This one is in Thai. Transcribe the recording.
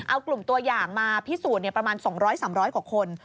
เอากลุ่มตัวอย่างมาพิสูจน์ประมาณ๒๐๐๓๐๐กว่าคน